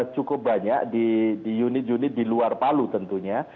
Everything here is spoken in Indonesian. cukup banyak di unit unit di luar palu tentunya